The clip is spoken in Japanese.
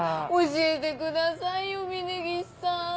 教えてくださいよ峰岸さん。